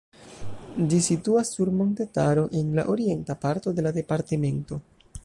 Ĝi situas sur montetaro en la orienta parto de la departemento.